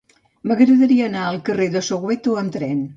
M'agradaria anar al carrer de Soweto amb tren.